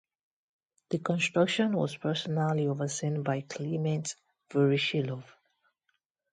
The construction was personally overseen by Kliment Voroshilov.